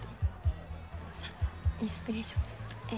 さあインスピレーションで。